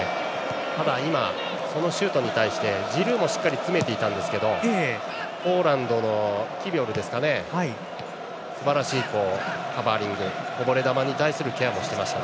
ただ、そのシュートに対してジルーもしっかり詰めていたんですがポーランドのキビオルですかねすばらしいカバーリングこぼれ球に対するケアをしていました。